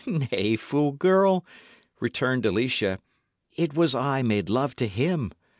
"Nay, fool girl," returned Alicia; "it was I made love to him.